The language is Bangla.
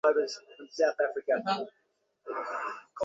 ওহ, তাহলে একটু বসা যাক, হাহ?